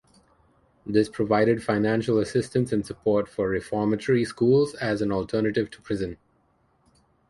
This provided financial assistance and support for reformatory schools as an alternative to prison.